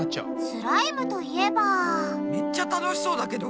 スライムといえばめっちゃ楽しそうだけど。